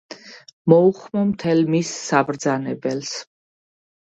მოუხმო მთელ მის საბრძანებელს